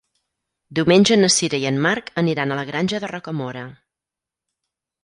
Diumenge na Sira i en Marc aniran a la Granja de Rocamora.